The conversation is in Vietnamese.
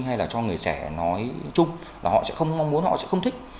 hay là cho người trẻ nói chung là họ sẽ không mong muốn họ sẽ không thích